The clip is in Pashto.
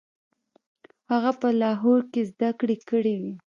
هغه په لاهور کې زده کړې کړې وې.